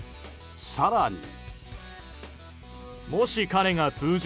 更に。